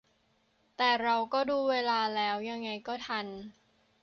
แต่เราก็ดูเวลาแล้วยังไงก็ทัน